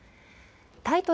タイトル